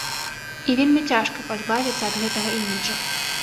І вельмі цяжка пазбавіцца ад гэтага іміджу.